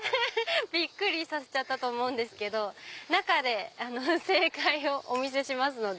びっくりさせちゃったと思うんですけど中で正解をお見せしますので。